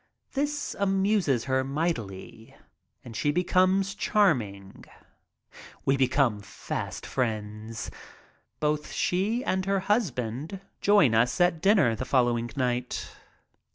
This amuses her mightily and she becomes charming. We become fast friends. Both she and her husband join us at dinner the following night.